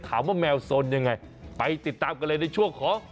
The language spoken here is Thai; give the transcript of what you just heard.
แมวสนยังไงไปติดตามกันเลยในช่วงของ